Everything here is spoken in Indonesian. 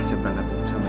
saya berangkat bersama ibu